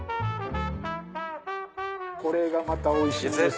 これがまたおいしいんです。